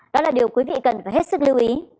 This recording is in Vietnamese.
đó là điều quý vị cần phải hết sức lưu ý